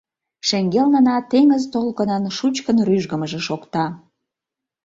Шеҥгелнына теҥыз толкынын шучкын рӱжгымыжӧ шокта.